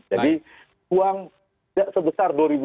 jadi uang tidak sebesar dua ribu